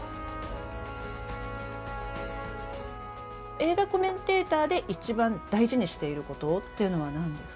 映画コメンテーターで一番大事にしていることっていうのは何ですか？